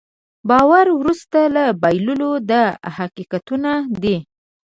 باور وروسته له بایللو دا حقیقتونه دي.